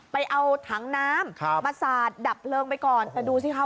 ไปเอาถังน้ำมาสาดดับเพลิงไปก่อนแต่ดูสิคะ